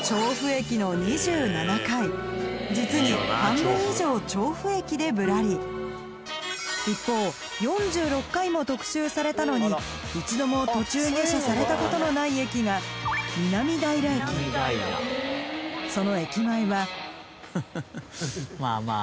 実に半分以上調布駅でぶらり一方４６回も特集されたのに一度も途中下車されたことのない駅がその駅前はまぁまぁ